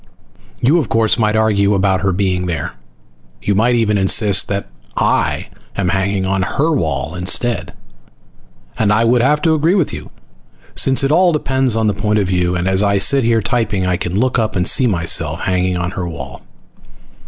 You, of course, might argue about her being there. You might even insist that I am hanging on her wall instead. And I would have to agree with you, since it all depends on the point of view and as I sit here typing I can look up and see myself hanging on her wall.